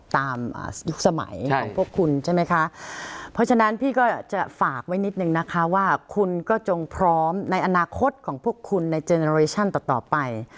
ยุคสมัยของพวกคุณใช่ไหมคะเพราะฉะนั้นพี่ก็จะฝากไว้นิดนึงนะคะว่าคุณก็จงพร้อมในอนาคตของพวกคุณในเจเนอเรชั่นต่อต่อไป